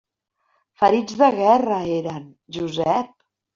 Ferits de guerra, eren, Josep!